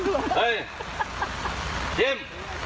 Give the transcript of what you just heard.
กิม